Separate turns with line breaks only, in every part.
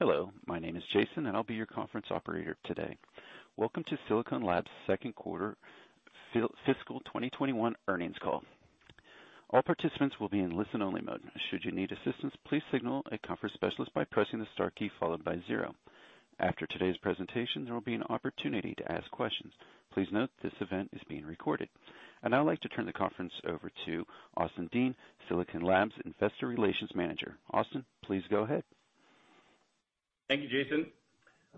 Hello. My name is Jason, and I'll be your conference operator today. Welcome to Silicon Labs' second quarter fiscal 2021 earnings call. All participants will be in listen only mode. Should you need assistance, please signal a conference specialist by pressing the star key followed by zero. After today's presentation, there will be an opportunity to ask questions. Please note this event is being recorded. I'd now like to turn the conference over to Austin Dean, Silicon Labs' investor relations manager. Austin, please go ahead.
Thank you, Jason.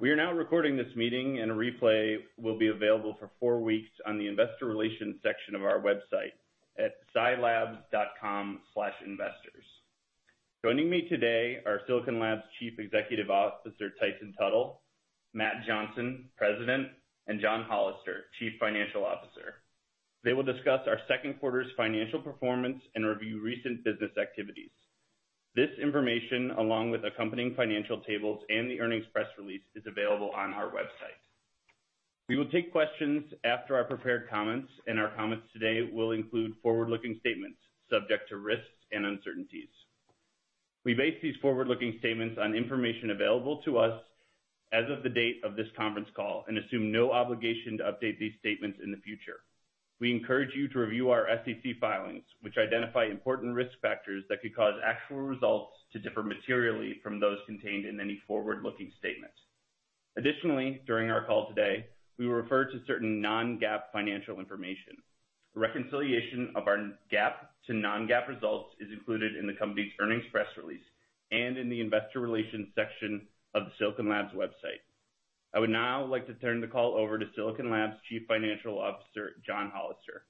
We are now recording this meeting, and a replay will be available for four weeks on the investor relations section of our website at silabs.com/investors. Joining me today are Silicon Labs' Chief Executive Officer, Tyson Tuttle, Matt Johnson, President, and John Hollister, Chief Financial Officer. They will discuss our second quarter's financial performance and review recent business activities. This information, along with accompanying financial tables and the earnings press release, is available on our website. We will take questions after our prepared comments, and our comments today will include forward-looking statements subject to risks and uncertainties. We base these forward-looking statements on information available to us as of the date of this conference call and assume no obligation to update these statements in the future. We encourage you to review our SEC filings, which identify important risk factors that could cause actual results to differ materially from those contained in any forward-looking statement. Additionally, during our call today, we will refer to certain non-GAAP financial information. A reconciliation of our GAAP to non-GAAP results is included in the company's earnings press release and in the investor relations section of the Silicon Labs website. I would now like to turn the call over to Silicon Labs' Chief Financial Officer, John Hollister.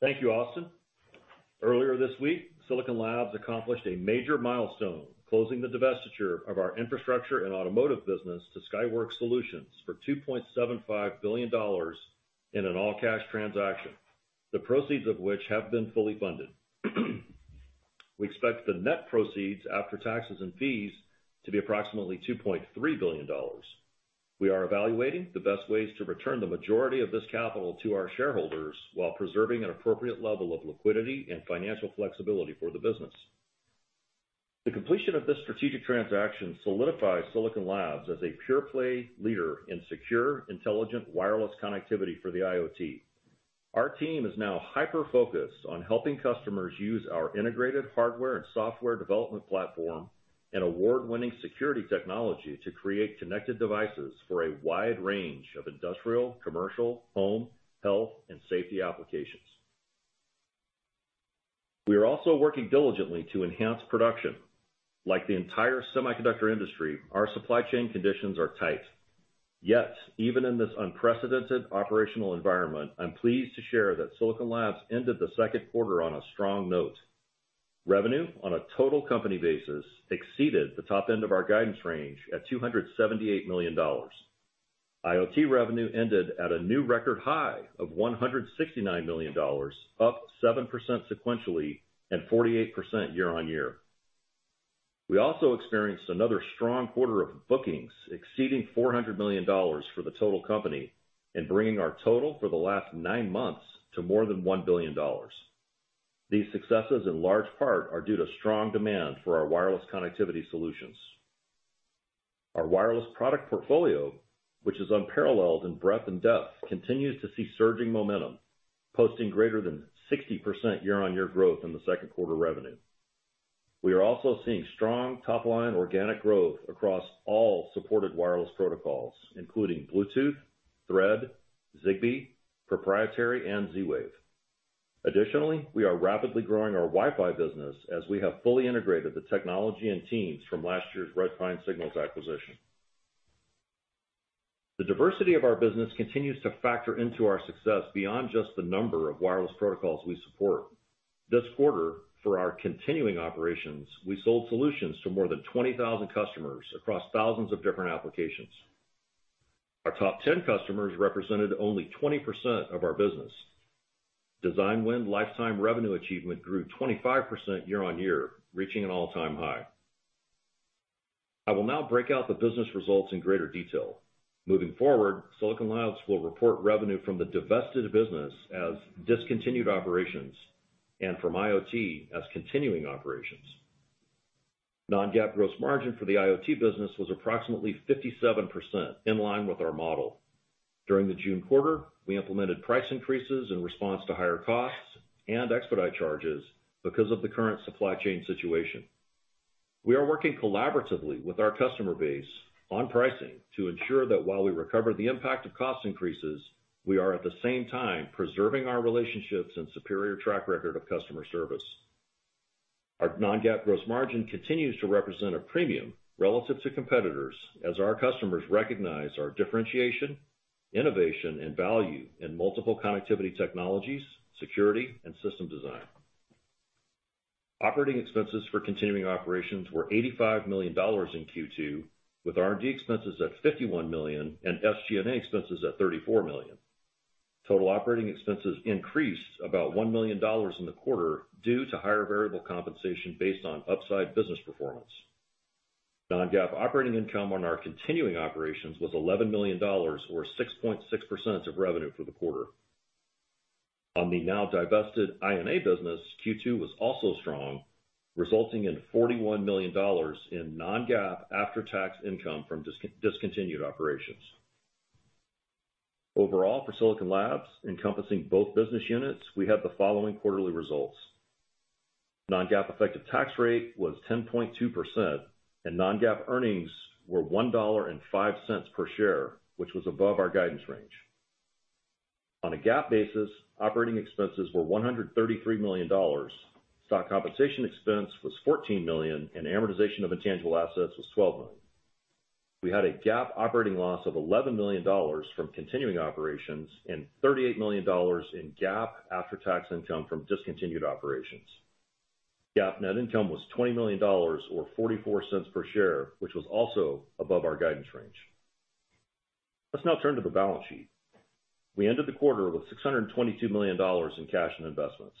Thank you, Austin. Earlier this week, Silicon Labs accomplished a major milestone, closing the divestiture of our Infrastructure & Automotive business to Skyworks Solutions for $2.75 billion in an all-cash transaction, the proceeds of which have been fully funded. We expect the net proceeds after taxes and fees to be approximately $2.3 billion. We are evaluating the best ways to return the majority of this capital to our shareholders while preserving an appropriate level of liquidity and financial flexibility for the business. The completion of this strategic transaction solidifies Silicon Labs as a pure-play leader in secure, intelligent, wireless connectivity for the IoT. Our team is now hyper-focused on helping customers use our integrated hardware and software development platform and award-winning security technology to create connected devices for a wide range of industrial, commercial, home, health, and safety applications. We are also working diligently to enhance production. Like the entire semiconductor industry, our supply chain conditions are tight. Even in this unprecedented operational environment, I'm pleased to share that Silicon Labs ended the second quarter on a strong note. Revenue, on a total company basis, exceeded the top end of our guidance range at $278 million. IoT revenue ended at a new record high of $169 million, up 7% sequentially and 48% year-on-year. We also experienced another strong quarter of bookings exceeding $400 million for the total company and bringing our total for the last nine months to more than $1 billion. These successes in large part are due to strong demand for our wireless connectivity solutions. Our wireless product portfolio, which is unparalleled in breadth and depth, continues to see surging momentum, posting greater than 60% year-on-year growth in the second quarter revenue. We are also seeing strong top-line organic growth across all supported wireless protocols, including Bluetooth, Thread, Zigbee, proprietary, and Z-Wave. Additionally, we are rapidly growing our Wi-Fi business as we have fully integrated the technology and teams from last year's Redpine Signals acquisition. The diversity of our business continues to factor into our success beyond just the number of wireless protocols we support. This quarter, for our continuing operations, we sold solutions to more than 20,000 customers across thousands of different applications. Our top 10 customers represented only 20% of our business. Design win lifetime revenue achievement grew 25% year on year, reaching an all-time high. I will now break out the business results in greater detail. Moving forward, Silicon Labs will report revenue from the divested business as discontinued operations and from IoT as continuing operations. Non-GAAP gross margin for the IoT business was approximately 57%, in line with our model. During the June quarter, we implemented price increases in response to higher costs and expedite charges because of the current supply chain situation. We are working collaboratively with our customer base on pricing to ensure that while we recover the impact of cost increases, we are at the same time preserving our relationships and superior track record of customer service. Our non-GAAP gross margin continues to represent a premium relative to competitors as our customers recognize our differentiation, innovation, and value in multiple connectivity technologies, security, and system design. Operating expenses for continuing operations were $85 million in Q2, with R&D expenses at $51 million and SG&A expenses at $34 million. Total operating expenses increased about $1 million in the quarter due to higher variable compensation based on upside business performance. Non-GAAP operating income on our continuing operations was $11 million, or 6.6% of revenue for the quarter. On the now divested I&A business, Q2 was also strong, resulting in $41 million in non-GAAP after-tax income from discontinued operations. Overall, for Silicon Labs, encompassing both business units, we have the following quarterly results. Non-GAAP effective tax rate was 10.2%, and non-GAAP earnings were $1.05 per share, which was above our guidance range. On a GAAP basis, operating expenses were $133 million, stock compensation expense was $14 million, and amortization of intangible assets was $12 million. We had a GAAP operating loss of $11 million from continuing operations and $38 million in GAAP after-tax income from discontinued operations. GAAP net income was $20 million or $0.44 per share, which was also above our guidance range. Let's now turn to the balance sheet. We ended the quarter with $622 million in cash and investments.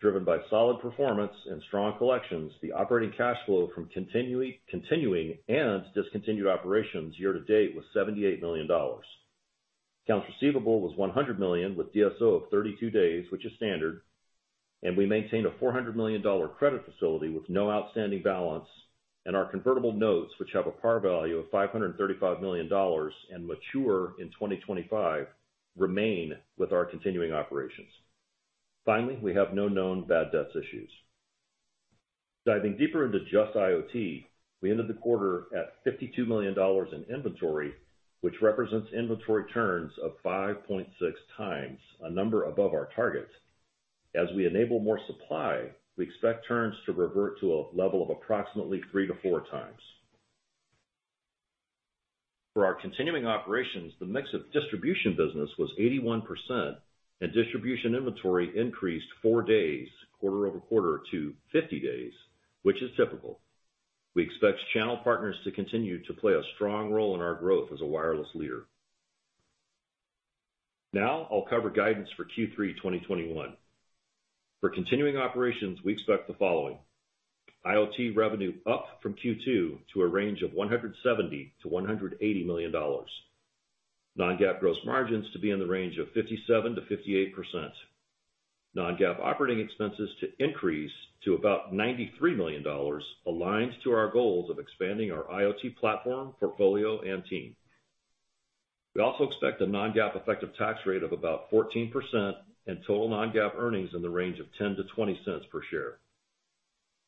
Driven by solid performance and strong collections, the operating cash flow from continuing and discontinued operations year to date was $78 million. Accounts receivable was $100 million with DSO of 32 days, which is standard, and we maintained a $400 million credit facility with no outstanding balance, and our convertible notes, which have a par value of $535 million and mature in 2025, remain with our continuing operations. Finally, we have no known bad debts issues. Diving deeper into just IoT, we ended the quarter at $52 million in inventory, which represents inventory turns of 5.6x, a number above our target. As we enable more supply, we expect turns to revert to a level of approximately 3-4 times. For our continuing operations, the mix of distribution business was 81%, and distribution inventory increased four days quarter-over-quarter to 50 days, which is typical. We expect channel partners to continue to play a strong role in our growth as a wireless leader. I'll cover guidance for Q3 2021. For continuing operations, we expect the following. IoT revenue up from Q2 to a range of $170 million-$180 million. Non-GAAP gross margins to be in the range of 57%-58%. Non-GAAP operating expenses to increase to about $93 million, aligned to our goals of expanding our IoT platform, portfolio, and team. We also expect a non-GAAP effective tax rate of about 14% and total non-GAAP earnings in the range of $0.10-$0.20 per share.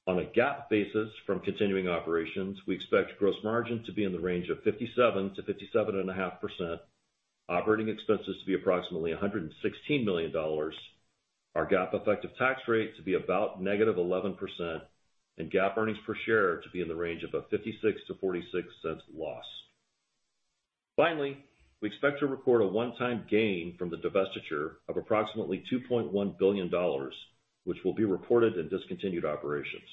On a GAAP basis from continuing operations, we expect gross margins to be in the range of 57%-57.5%, operating expenses to be approximately $116 million, our GAAP effective tax rate to be about -11%, and GAAP earnings per share to be in the range of a $0.56-$0.46 loss. Finally, we expect to report a one-time gain from the divestiture of approximately $2.1 billion, which will be reported in discontinued operations.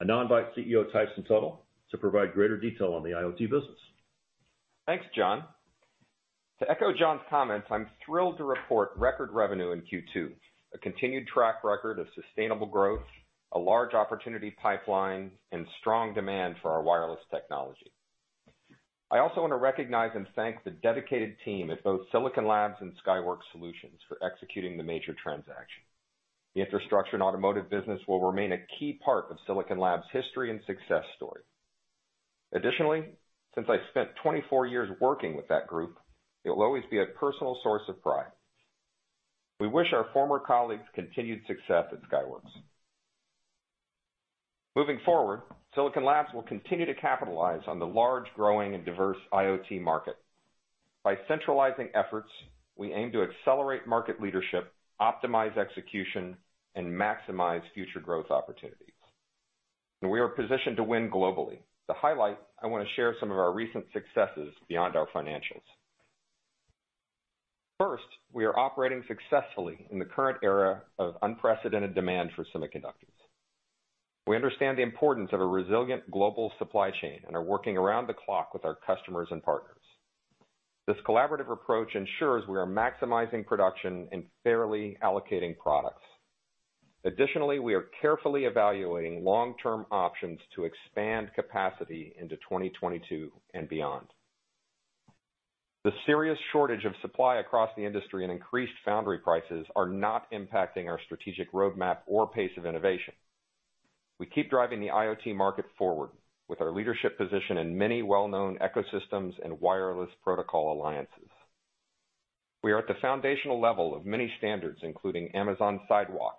I now invite CEO Tyson Tuttle to provide greater detail on the IoT business.
Thanks, John. To echo John's comments, I'm thrilled to report record revenue in Q2, a continued track record of sustainable growth, a large opportunity pipeline, and strong demand for our wireless technology. I also want to recognize and thank the dedicated team at both Silicon Labs and Skyworks Solutions for executing the major transaction. The Infrastructure & Automotive business will remain a key part of Silicon Labs' history and success story. Additionally, since I spent 24 years working with that group, it will always be a personal source of pride. We wish our former colleagues continued success at Skyworks. Moving forward, Silicon Labs will continue to capitalize on the large, growing, and diverse IoT market. By centralizing efforts, we aim to accelerate market leadership, optimize execution, and maximize future growth opportunities. We are positioned to win globally. To highlight, I want to share some of our recent successes beyond our financials. First, we are operating successfully in the current era of unprecedented demand for semiconductors. We understand the importance of a resilient global supply chain and are working around the clock with our customers and partners. This collaborative approach ensures we are maximizing production and fairly allocating products. Additionally, we are carefully evaluating long-term options to expand capacity into 2022 and beyond. The serious shortage of supply across the industry and increased foundry prices are not impacting our strategic roadmap or pace of innovation. We keep driving the IoT market forward with our leadership position in many well-known ecosystems and wireless protocol alliances. We are at the foundational level of many standards, including Amazon Sidewalk,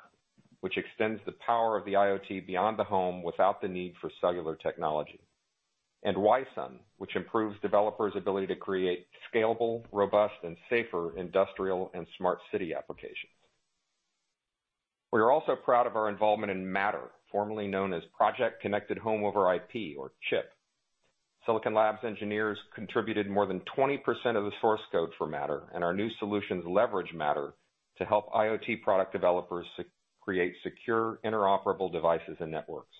which extends the power of the IoT beyond the home without the need for cellular technology, and Wi-SUN, which improves developers' ability to create scalable, robust, and safer industrial and smart city applications. We are also proud of our involvement in Matter, formerly known as Project Connected Home over IP, or CHIP. Silicon Labs engineers contributed more than 20% of the source code for Matter, and our new solutions leverage Matter to help IoT product developers create secure, interoperable devices and networks.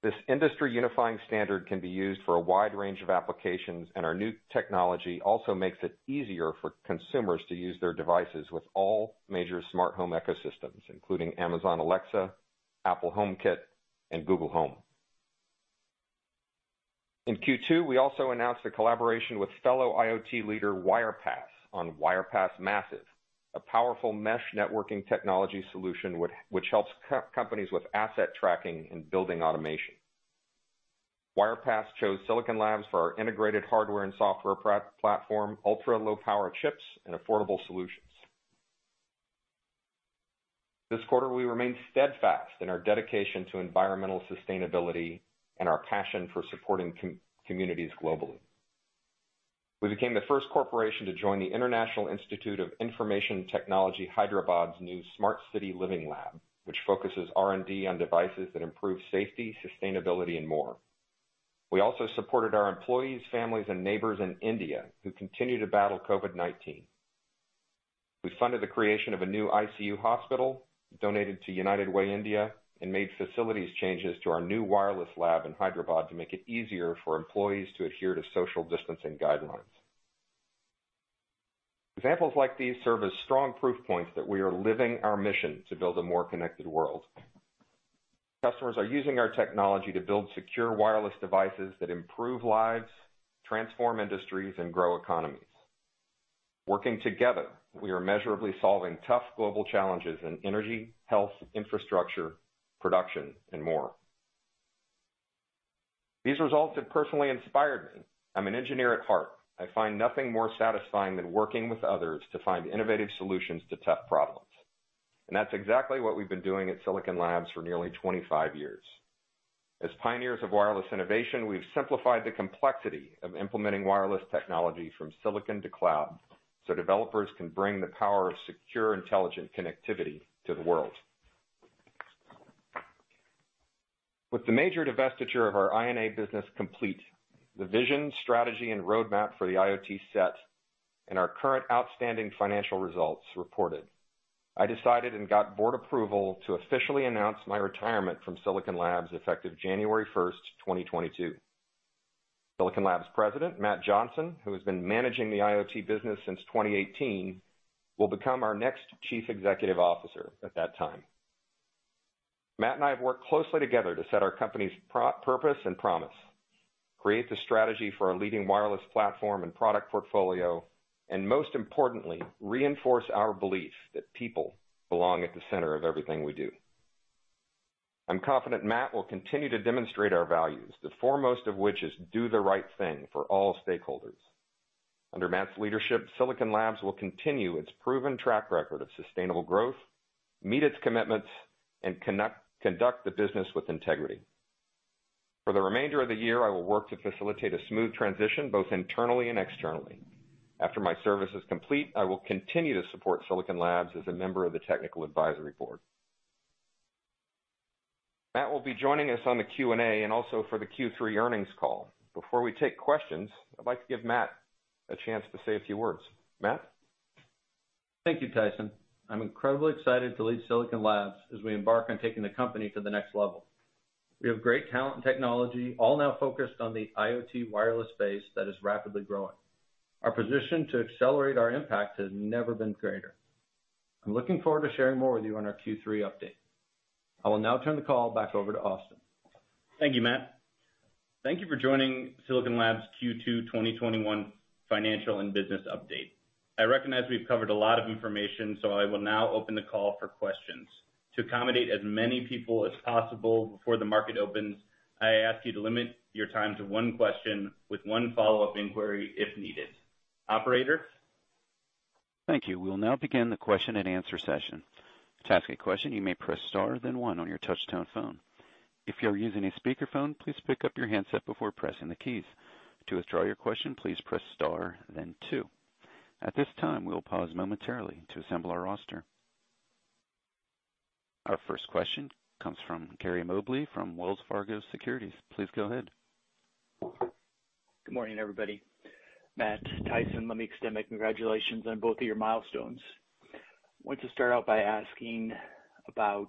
This industry unifying standard can be used for a wide range of applications, and our new technology also makes it easier for consumers to use their devices with all major smart home ecosystems, including Amazon Alexa, Apple HomeKit, and Google Home. In Q2, we also announced a collaboration with fellow IoT leader Wirepas on Wirepas Massive, a powerful mesh networking technology solution which helps companies with asset tracking and building automation. Wirepas chose Silicon Labs for our integrated hardware and software platform, ultra-low power chips, and affordable solutions. This quarter, we remain steadfast in our dedication to environmental sustainability and our passion for supporting communities globally. We became the first corporation to join the International Institute of Information Technology Hyderabad's new Smart City Living Lab, which focuses R&D on devices that improve safety, sustainability, and more. We also supported our employees, families, and neighbors in India who continue to battle COVID-19. We funded the creation of a new ICU hospital, donated to United Way India, and made facilities changes to our new wireless lab in Hyderabad to make it easier for employees to adhere to social distancing guidelines. Examples like these serve as strong proof points that we are living our mission to build a more connected world. Customers are using our technology to build secure wireless devices that improve lives, transform industries, and grow economies. Working together, we are measurably solving tough global challenges in energy, health, infrastructure, production, and more. These results have personally inspired me. I'm an engineer at heart. I find nothing more satisfying than working with others to find innovative solutions to tough problems, and that's exactly what we've been doing at Silicon Labs for nearly 25 years. As pioneers of wireless innovation, we've simplified the complexity of implementing wireless technology from silicon to cloud so developers can bring the power of secure, intelligent connectivity to the world. With the major divestiture of our I&A business complete, the vision, strategy, and roadmap for the IoT set, and our current outstanding financial results reported, I decided and got board approval to officially announce my retirement from Silicon Labs effective January 1st, 2022. Silicon Labs President Matt Johnson, who has been managing the IoT business since 2018, will become our next Chief Executive Officer at that time. Matt and I have worked closely together to set our company's purpose and promise, create the strategy for our leading wireless platform and product portfolio, and most importantly, reinforce our belief that people belong at the center of everything we do. I'm confident Matt will continue to demonstrate our values, the foremost of which is do the right thing for all stakeholders. Under Matt's leadership, Silicon Labs will continue its proven track record of sustainable growth, meet its commitments, and conduct the business with integrity. For the remainder of the year, I will work to facilitate a smooth transition, both internally and externally. After my service is complete, I will continue to support Silicon Labs as a member of the technical advisory board. Matt will be joining us on the Q&A and also for the Q3 earnings call. Before we take questions, I'd like to give Matt a chance to say a few words. Matt?
Thank you, Tyson. I'm incredibly excited to lead Silicon Labs as we embark on taking the company to the next level. We have great talent and technology all now focused on the IoT wireless space that is rapidly growing. Our position to accelerate our impact has never been greater. I'm looking forward to sharing more with you on our Q3 update. I will now turn the call back over to Austin.
Thank you, Matt. Thank you for joining Silicon Labs' Q2 2021 financial and business update. I recognize we've covered a lot of information, so I will now open the call for questions. To accommodate as many people as possible before the market opens, I ask you to limit your time to one question with one follow-up inquiry if needed. Operator?
Thank you. We will now begin the question and answer session. Our first question comes from Gary Mobley from Wells Fargo Securities. Please go ahead.
Good morning, everybody. Matt, Tyson, let me extend my congratulations on both of your milestones. I wanted to start out by asking about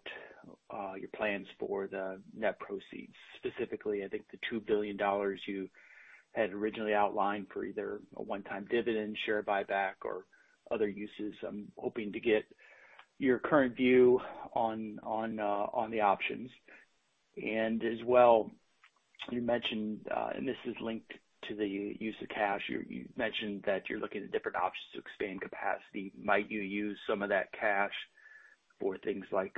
your plans for the net proceeds, specifically, I think the $2 billion you had originally outlined for either a one-time dividend share buyback or other uses. I'm hoping to get your current view on the options. As well, you mentioned, and this is linked to the use of cash, you mentioned that you're looking at different options to expand capacity. Might you use some of that cash for things like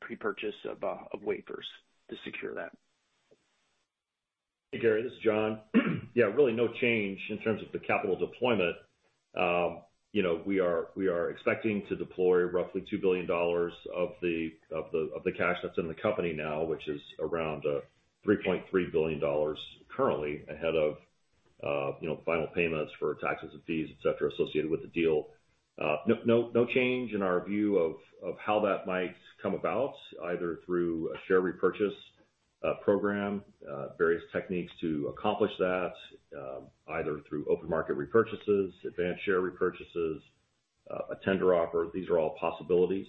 pre-purchase of wafers to secure that?
Hey, Gary, this is John. Yeah, really no change in terms of the capital deployment. We are expecting to deploy roughly $2 billion of the cash that's in the company now, which is around $3.3 billion currently ahead of final payments for taxes and fees, et cetera, associated with the deal. No change in our view of how that might come about, either through a share repurchase program, various techniques to accomplish that, either through open market repurchases, advanced share repurchases, a tender offer. These are all possibilities.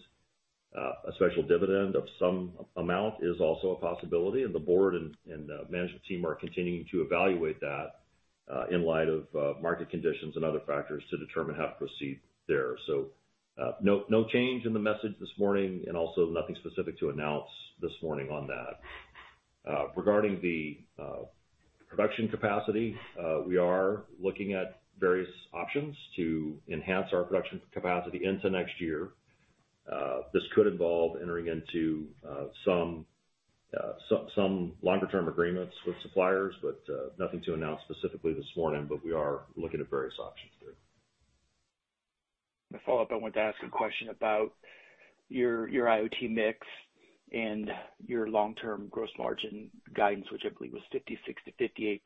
A special dividend of some amount is also a possibility. The Board and management team are continuing to evaluate that in light of market conditions and other factors to determine how to proceed there. No change in the message this morning, and also nothing specific to announce this morning on that. Regarding the production capacity, we are looking at various options to enhance our production capacity into next year. This could involve entering into some longer-term agreements with suppliers, but nothing to announce specifically this morning. We are looking at various options there.
To follow up, I wanted to ask a question about your IoT mix and your long-term gross margin guidance, which I believe was 56%-58%.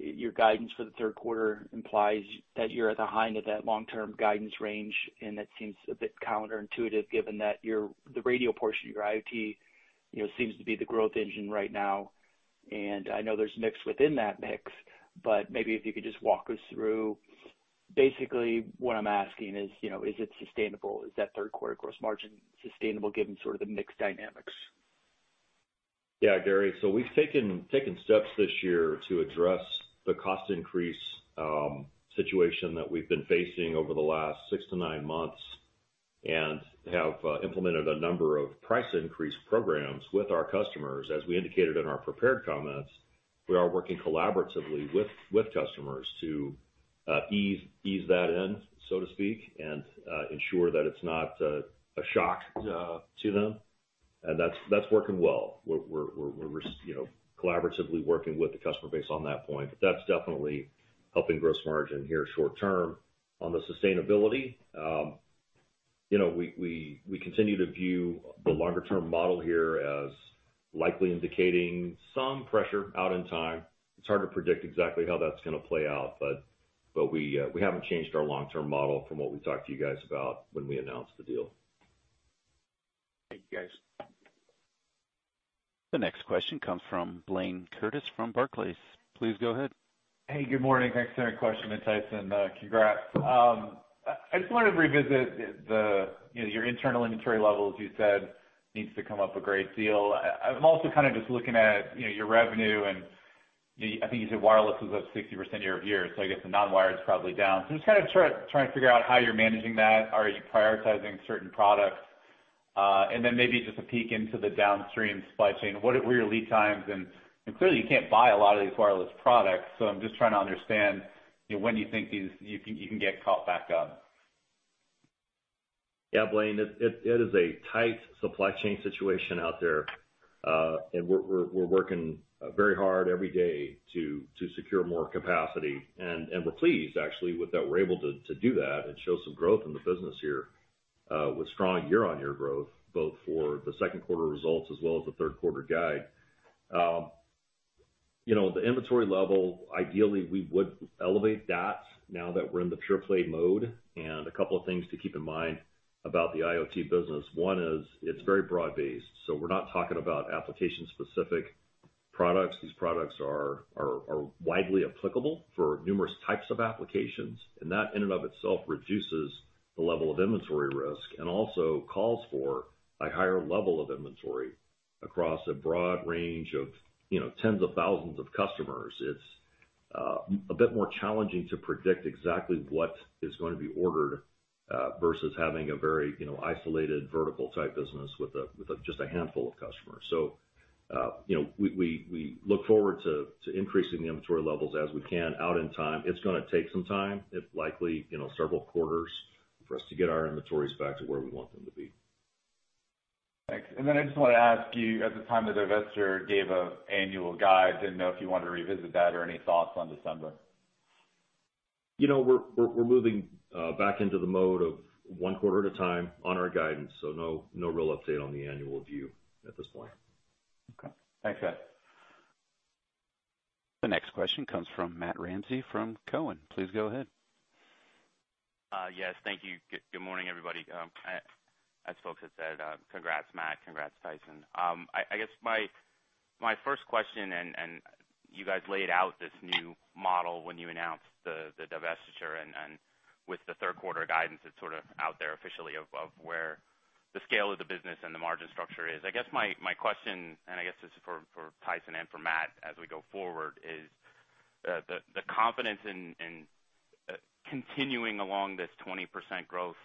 Your guidance for the third quarter implies that you're at the high end of that long-term guidance range, that seems a bit counterintuitive given that the radio portion of your IoT seems to be the growth engine right now. I know there's mix within that mix, but maybe if you could just walk us through. Basically, what I'm asking is it sustainable? Is that third quarter gross margin sustainable given sort of the mix dynamics?
Yeah, Gary. We've taken steps this year to address the cost increase situation that we've been facing over the last six to nine months and have implemented a number of price increase programs with our customers. As we indicated in our prepared comments, we are working collaboratively with customers to ease that in, so to speak, and ensure that it's not a shock to them, and that's working well. We're collaboratively working with the customer base on that point, but that's definitely helping gross margin here short term. On the sustainability, we continue to view the longer-term model here as likely indicating some pressure out in time. It's hard to predict exactly how that's going to play out, but we haven't changed our long-term model from what we talked to you guys about when we announced the deal.
Thank you, guys.
The next question comes from Blayne Curtis from Barclays. Please go ahead.
Hey, good morning. Thanks for the question, and Tyson, congrats. I just wanted to revisit your internal inventory levels. You said needs to come up a great deal. I'm also kind of just looking at your revenue. I think you said Wireless was up 60% year-over-year. I guess the non-Wireless is probably down. I'm just kind of trying to figure out how you're managing that. Are you prioritizing certain products? Maybe just a peek into the downstream supply chain. What are your lead times? Clearly you can't buy a lot of these Wireless products. I'm just trying to understand when you think you can get caught back up.
Yeah, Blayne, it is a tight supply chain situation out there. We're working very hard every day to secure more capacity. We're pleased, actually, that we're able to do that and show some growth in the business here with strong year-on-year growth, both for the second quarter results as well as the third quarter guide. The inventory level, ideally, we would elevate that now that we're in the pure play mode. A couple of things to keep in mind about the IoT business. One is it's very broad-based. We're not talking about application-specific products. These products are widely applicable for numerous types of applications, and that in and of itself reduces the level of inventory risk and also calls for a higher level of inventory across a broad range of tens of thousands of customers. It's a bit more challenging to predict exactly what is going to be ordered, versus having a very isolated vertical type business with just a handful of customers. We look forward to increasing the inventory levels as we can out in time. It's going to take some time, likely several quarters for us to get our inventories back to where we want them to be.
Thanks. I just want to ask you, at the time the divestiture gave an annual guide, didn't know if you wanted to revisit that or any thoughts on December.
We're moving back into the mode of one quarter at a time on our guidance. No real update on the annual view at this point.
Okay. Thanks, guys.
The next question comes from Matt Ramsay from Cowen. Please go ahead.
Yes. Thank you. Good morning, everybody. As folks have said, congrats, Matt. Congrats, Tyson. I guess my first question, you guys laid out this new model when you announced the divestiture and with the third quarter guidance, it's sort of out there officially of where the scale of the business and the margin structure is. I guess my question, I guess this is for Tyson and for Matt, as we go forward, is the confidence in continuing along this 20% growth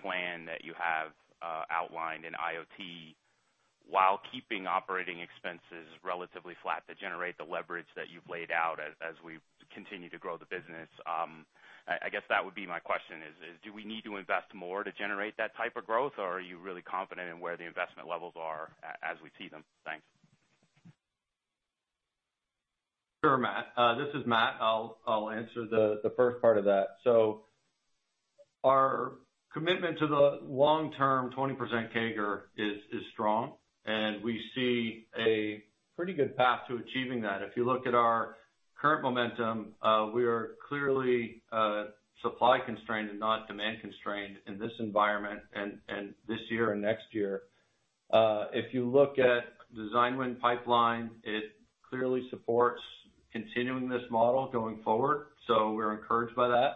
plan that you have outlined in IoT while keeping operating expenses relatively flat to generate the leverage that you've laid out as we continue to grow the business. I guess that would be my question is, do we need to invest more to generate that type of growth, or are you really confident in where the investment levels are as we see them? Thanks.
Sure, Matt. This is Matt. I'll answer the first part of that. Our commitment to the long-term 20% CAGR is strong, and we see a pretty good path to achieving that. If you look at our current momentum, we are clearly supply constrained and not demand constrained in this environment, and this year and next year. If you look at design win pipeline, it clearly supports continuing this model going forward. We're encouraged by that.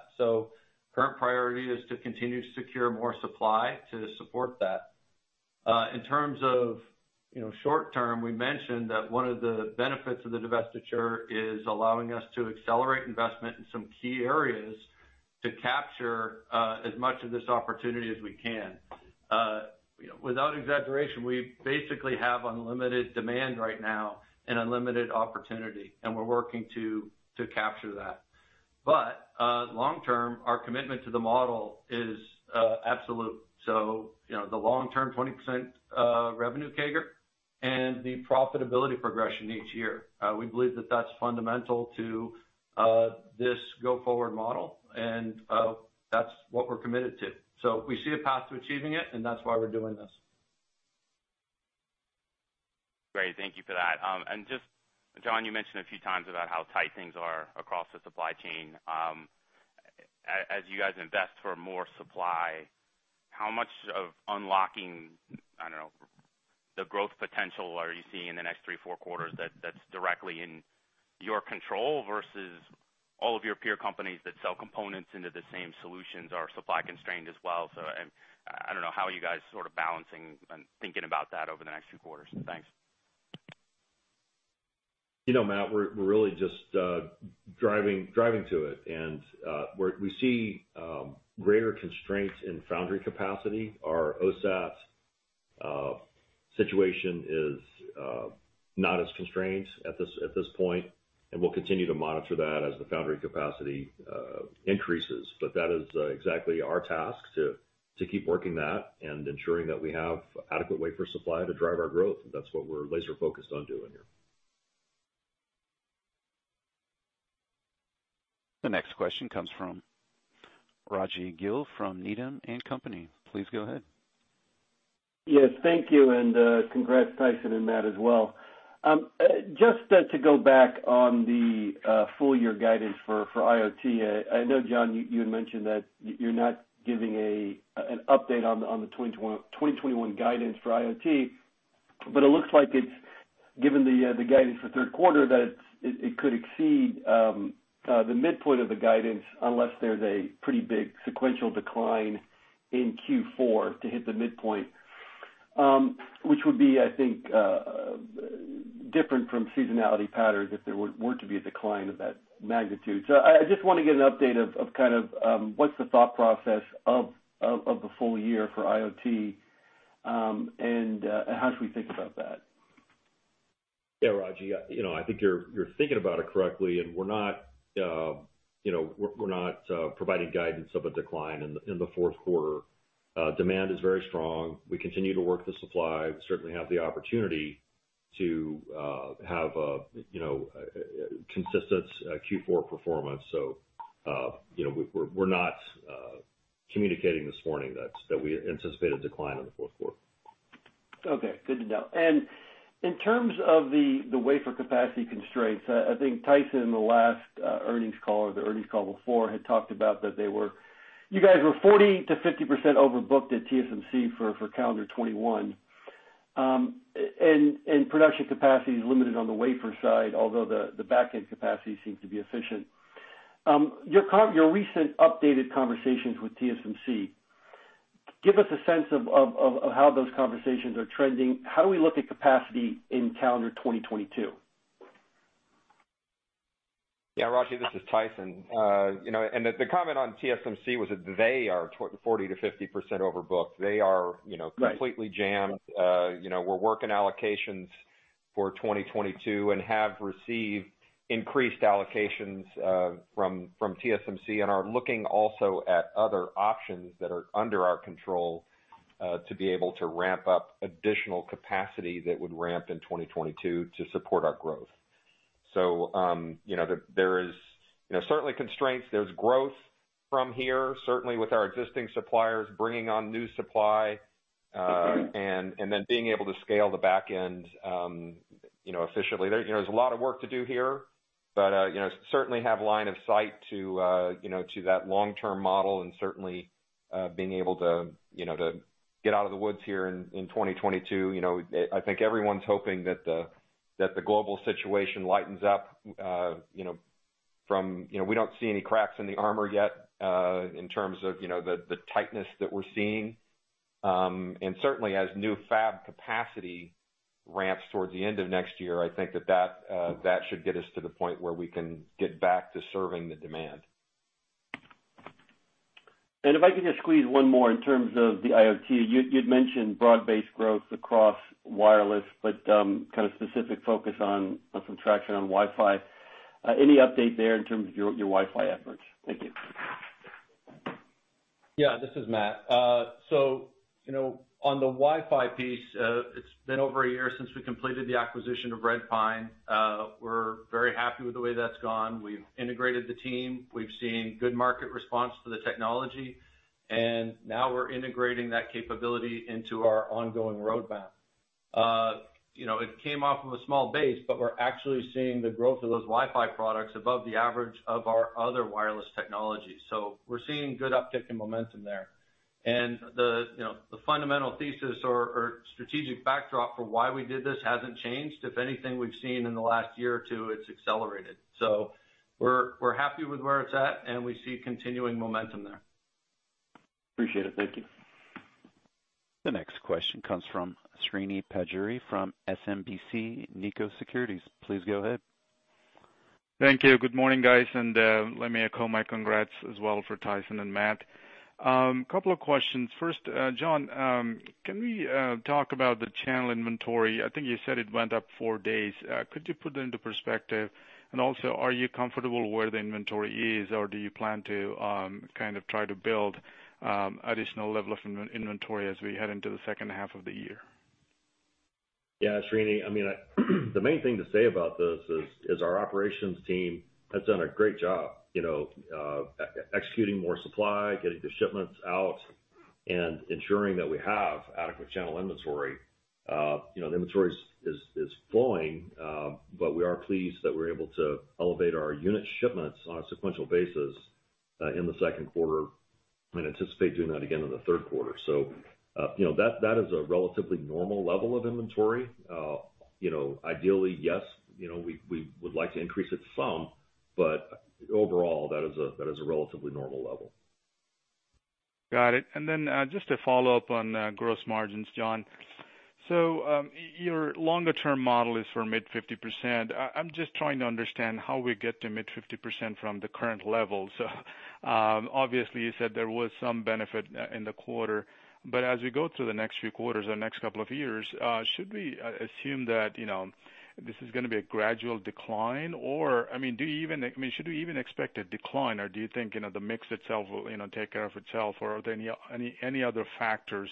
Current priority is to continue to secure more supply to support that. In terms of short term, we mentioned that one of the benefits of the divestiture is allowing us to accelerate investment in some key areas to capture as much of this opportunity as we can. Without exaggeration, we basically have unlimited demand right now and unlimited opportunity, and we're working to capture that. Long term, our commitment to the model is absolute. The long-term 20% revenue CAGR and the profitability progression each year. We believe that that's fundamental to this go-forward model, and that's what we're committed to. We see a path to achieving it, and that's why we're doing this.
Great. Thank you for that. Just, John, you mentioned a few times about how tight things are across the supply chain. As you guys invest for more supply, how much of unlocking, I don't know, the growth potential are you seeing in the next three or four quarters that's directly in your control versus all of your peer companies that sell components into the same solutions are supply constrained as well. I don't know how you guys sort of balancing and thinking about that over the next few quarters. Thanks.
Matt, we're really just driving to it, and we see greater constraints in foundry capacity. Our OSAT situation is not as constrained at this point, and we'll continue to monitor that as the foundry capacity increases. That is exactly our task, to keep working that and ensuring that we have adequate wafer supply to drive our growth. That's what we're laser focused on doing here.
The next question comes from Rajvindra Gill from Needham & Company. Please go ahead.
Yes, thank you, and congrats, Tyson and Matt as well. Just to go back on the full year guidance for IoT. I know, John, you had mentioned that you're not giving an update on the 2021 guidance for IoT, but it looks like it's, given the guidance for third quarter, that it could exceed the midpoint of the guidance unless there's a pretty big sequential decline in Q4 to hit the midpoint. Which would be, I think, different from seasonality patterns if there were to be a decline of that magnitude. I just want to get an update of kind of what's the thought process of the full year for IoT, and how should we think about that?
Rajvindra, I think you're thinking about it correctly, and we're not providing guidance of a decline in the fourth quarter. Demand is very strong. We continue to work the supply. We certainly have the opportunity to have a consistent Q4 performance. We're not communicating this morning that we anticipate a decline in the fourth quarter.
Okay, good to know. In terms of the wafer capacity constraints, I think Tyson, in the last earnings call or the earnings call before, had talked about that you guys were 40%-50% overbooked at TSMC for calendar 2021. Production capacity is limited on the wafer side, although the back-end capacity seems to be efficient. Your recent updated conversations with TSMC, give us a sense of how those conversations are trending. How do we look at capacity in calendar 2022?
Yeah, Rajvindra, this is Tyson. The comment on TSMC was that they are 40%-50% overbooked.
Right
completely jammed. We're working allocations for 2022 and have received increased allocations from TSMC and are looking also at other options that are under our control to be able to ramp up additional capacity that would ramp in 2022 to support our growth. There is certainly constraints. There's growth from here, certainly with our existing suppliers bringing on new supply, and then being able to scale the back end efficiently. There's a lot of work to do here, but certainly have line of sight to that long-term model and certainly being able to get out of the woods here in 2022. I think everyone's hoping that the global situation lightens up. We don't see any cracks in the armor yet in terms of the tightness that we're seeing. Certainly as new fab capacity ramps towards the end of next year, I think that that should get us to the point where we can get back to serving the demand.
If I could just squeeze one more in terms of the IoT. You'd mentioned broad-based growth across wireless, but kind of specific focus on some traction on Wi-Fi. Any update there in terms of your Wi-Fi efforts? Thank you.
Yeah. This is Matt. On the Wi-Fi piece, it's been over a year since we completed the acquisition of Redpine. We're very happy with the way that's gone. We've integrated the team. We've seen good market response to the technology, and now we're integrating that capability into our ongoing roadmap. It came off of a small base, but we're actually seeing the growth of those Wi-Fi products above the average of our other wireless technologies. We're seeing good uptick in momentum there. The fundamental thesis or strategic backdrop for why we did this hasn't changed. If anything, we've seen in the last year or two, it's accelerated. We're happy with where it's at, and we see continuing momentum there.
Appreciate it. Thank you.
The next question comes from Srini Pajjuri from SMBC Nikko Securities. Please go ahead.
Thank you. Good morning, guys, and let me echo my congrats as well for Tyson and Matt. Couple of questions. First, John, can we talk about the channel inventory? I think you said it went up four days. Could you put that into perspective? Also, are you comfortable where the inventory is, or do you plan to try to build additional level of inventory as we head into the second half of the year?
Srini. The main thing to say about this is our operations team has done a great job executing more supply, getting the shipments out, and ensuring that we have adequate channel inventory. The inventory is flowing, but we are pleased that we're able to elevate our unit shipments on a sequential basis in the second quarter and anticipate doing that again in the third quarter. That is a relatively normal level of inventory. Ideally, yes, we would like to increase it some, but overall, that is a relatively normal level.
Got it. Just to follow up on gross margins, John. Your longer-term model is for mid-50%. I am just trying to understand how we get to mid-50% from the current levels. Obviously, you said there was some benefit in the quarter, but as we go through the next few quarters or next couple of years, should we assume that this is going to be a gradual decline? Should we even expect a decline, or do you think the mix itself will take care of itself, or are there any other factors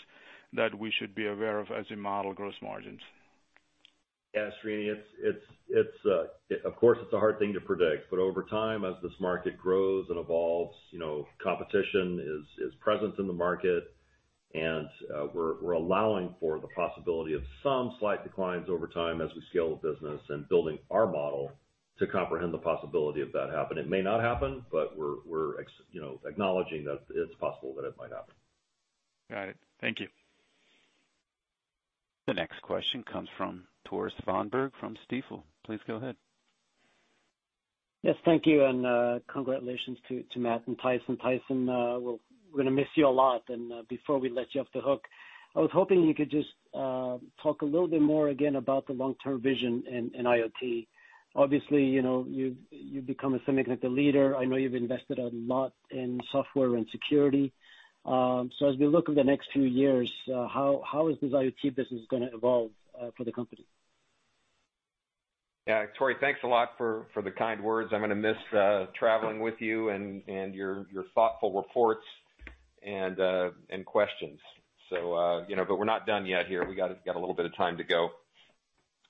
that we should be aware of as we model gross margins?
Yeah, Srini, of course, it's a hard thing to predict, but over time, as this market grows and evolves, competition is present in the market, and we're allowing for the possibility of some slight declines over time as we scale the business and building our model to comprehend the possibility of that happening. It may not happen, but we're acknowledging that it's possible that it might happen.
Got it. Thank you.
The next question comes from Tore Svanberg from Stifel. Please go ahead.
Yes. Thank you. Congratulations to Matt Johnson and Tyson Tuttle. Tyson Tuttle, we're going to miss you a lot, and before we let you off the hook, I was hoping you could just talk a little bit more again about the long-term vision in IoT. Obviously, you've become a significant leader. I know you've invested a lot in software and security. As we look over the next few years, how is this IoT business going to evolve for the company?
Yeah. Tore, thanks a lot for the kind words. I'm going to miss traveling with you and your thoughtful reports and questions. We're not done yet here. We got a little bit of time to go.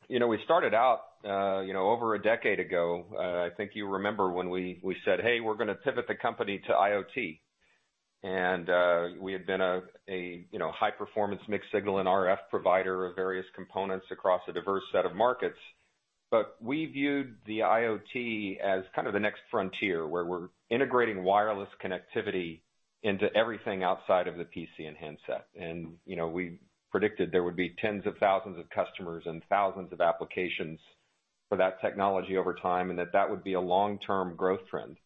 We started out over a decade ago. I think you remember when we said, "Hey, we're going to pivot the company to IoT." We had been a high-performance mixed signal and RF provider of various components across a diverse set of markets. We viewed the IoT as kind of the next frontier, where we're integrating wireless connectivity into everything outside of the PC and handset. We predicted there would be tens of thousands of customers and thousands of applications for that technology over time, and that that would be a long-term growth trend,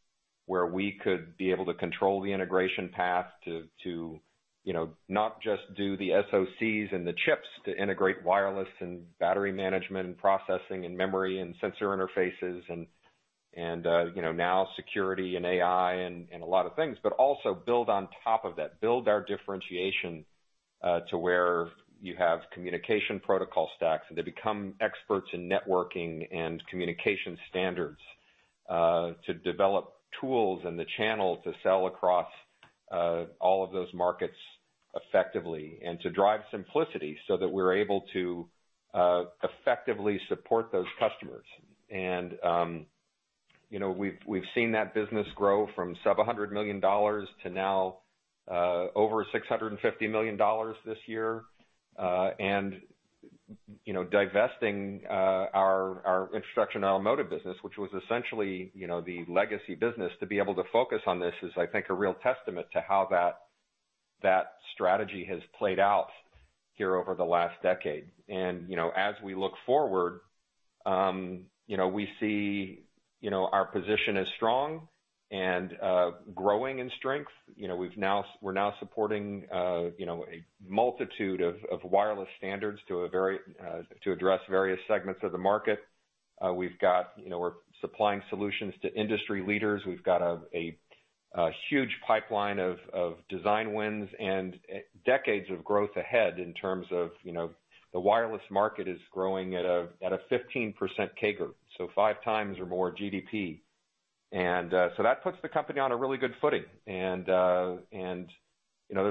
where we could be able to control the integration path to not just do the SoCs and the chips to integrate wireless and battery management and processing and memory and sensor interfaces and now security and AI and a lot of things, but also build on top of that. Build our differentiation to where you have communication protocol stacks, and they become experts in networking and communication standards to develop tools and the channel to sell across all of those markets effectively and to drive simplicity so that we're able to effectively support those customers. We've seen that business grow from sub-$100 million to now over $650 million this year. Divesting our Infrastructure & Automotive business, which was essentially the legacy business, to be able to focus on this is, I think, a real testament to how that strategy has played out here over the last decade. As we look forward, we see our position is strong and growing in strength. We're now supporting a multitude of wireless standards to address various segments of the market. We're supplying solutions to industry leaders. We've got a huge pipeline of design wins and decades of growth ahead in terms of the wireless market is growing at a 15% CAGR, so 5x or more GDP. That puts the company on a really good footing. There's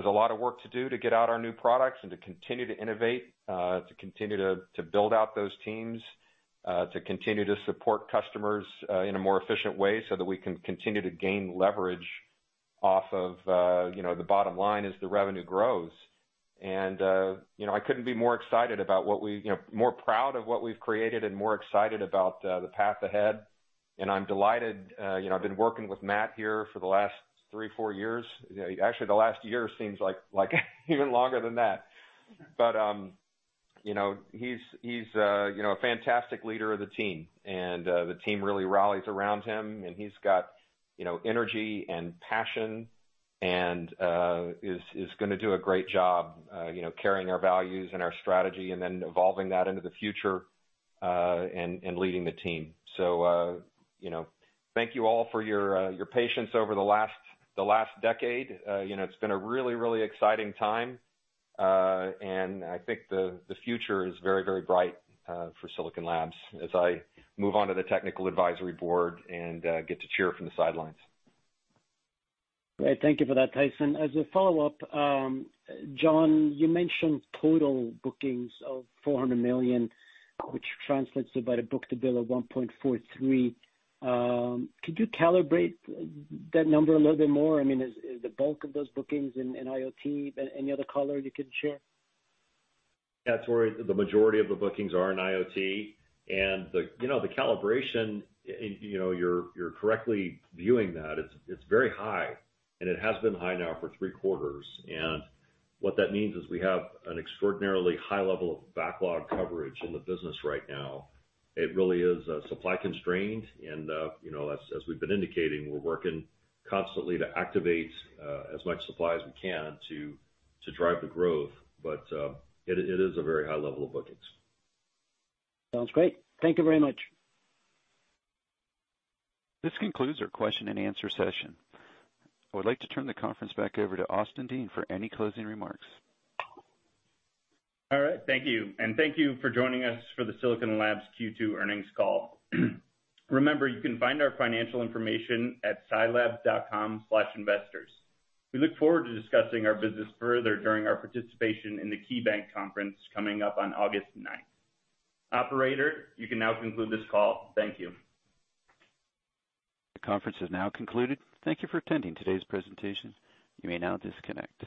a lot of work to do to get out our new products and to continue to innovate, to continue to build out those teams, to continue to support customers in a more efficient way so that we can continue to gain leverage off of the bottom line as the revenue grows. I couldn't be more proud of what we've created and more excited about the path ahead, and I'm delighted. I've been working with Matt here for the last three, four years. Actually, the last year seems like even longer than that. He's a fantastic leader of the team, and the team really rallies around him, and he's got energy and passion and is going to do a great job carrying our values and our strategy and then evolving that into the future, and leading the team. Thank you all for your patience over the last decade. It's been a really exciting time. I think the future is very bright for Silicon Labs as I move on to the technical advisory board and get to cheer from the sidelines.
Great. Thank you for that, Tyson. As a follow-up, John, you mentioned total bookings of $400 million, which translates to about a book-to-bill of 1.43. Could you calibrate that number a little bit more? Is the bulk of those bookings in IoT? Any other color you can share?
Yeah. The majority of the bookings are in IoT, and the calibration, you're correctly viewing that. It's very high, and it has been high now for three quarters. What that means is we have an extraordinarily high level of backlog coverage in the business right now. It really is supply constrained and as we've been indicating, we're working constantly to activate as much supply as we can to drive the growth. It is a very high level of bookings.
Sounds great. Thank you very much.
This concludes our question and answer session. I would like to turn the conference back over to Austin Dean for any closing remarks.
All rght. Thank you. Thank you for joining us for the Silicon Labs Q2 earnings call. Remember, you can find our financial information at silabs.com/investors. We look forward to discussing our business further during our participation in the KeyBanc conference coming up on August 9th. Operator, you can now conclude this call. Thank you.
The conference is now concluded. Thank you for attending today's presentation. You may now disconnect.